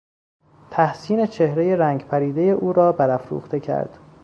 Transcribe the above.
تحسین چهرهی رنگ پریدهی او را برافروخته کرد.